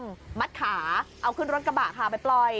ก็ต้องมัดขาเอาขึ้นรถกระบะขาไปเปล่อย